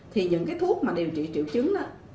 thì những thuốc điều trị triệu chứng